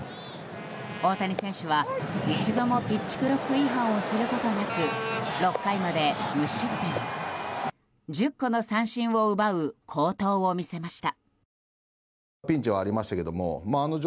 大谷選手は一度もピッチクロック違反をすることなく６回まで無失点１０個の三振を奪う好投を見せました。